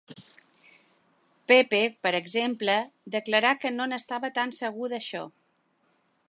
Pepe, per exemple, declarà que no n'estava tan segur d'això.